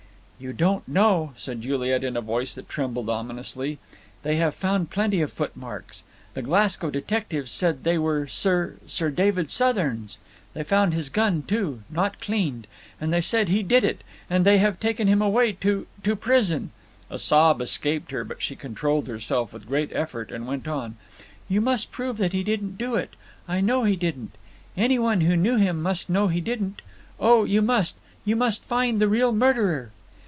"You don't know," said Juliet in a voice that trembled ominously. "They have found plenty of footmarks. The Glasgow detectives said they were Sir Sir David Southern's. They found his gun too, not cleaned; and they say he did it, and they have taken him away, to to prison." A sob escaped her, but she controlled herself with a great effort and went on: "You must prove that he didn't do it. I know he didn't. Anyone who knew him must know he didn't. Oh you must, you must, find the real murderer!"